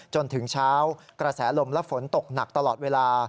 จนถึงเช้ากระแสลมและฝนตกหนักตลอดเวลา